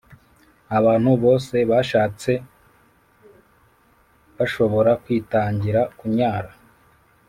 Abantu bose bashatse bashobora kwitangira kunyara